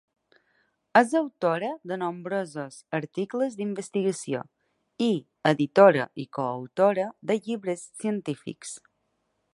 És autora de nombrosos articles d'investigació i editora i coautora de llibres científics.